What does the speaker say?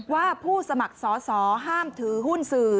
ว่าผู้สมัครสอสอห้ามถือหุ้นสื่อ